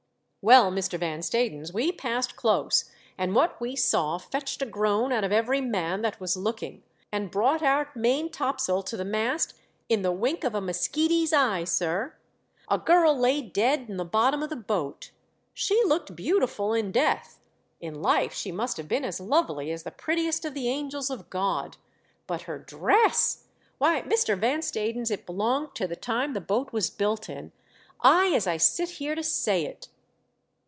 Well, Mr. Van Stadens, we passed close and what we saw fetched a groan out of every man that was looking and brought our main topsail to the mast in the wink of a muskeety's eye, sir. A girl lay dead in the bottom of the boat. She looked beautiful in death, in life she must have been as lovely as the prettiest of the angels of God. But her dress ! Why, Mr. Van Stadens, it belonged to the time the boat was built in. Ay, as I sit here to say it